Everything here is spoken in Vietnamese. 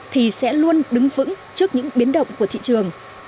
thì sẽ luôn đứng vững trước những biến động của thị trường